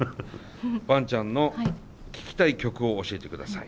バンちゃんの聴きたい曲を教えてください。